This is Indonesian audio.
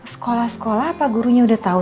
sekolah sekolah apa gurunya udah tahu